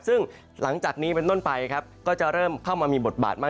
ซึ่งหลังจากนี้บริเวณต้นไปก็จะเริ่มเข้ามามีบทบาทบ้าง